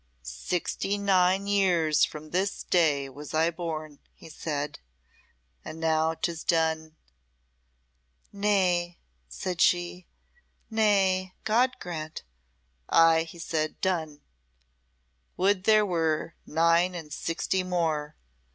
"Sixty nine years from this day was I born," he said, "and now 'tis done." "Nay," said she "nay God grant " "Ay," he said, "done. Would there were nine and sixty more.